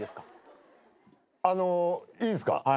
あのいいっすか？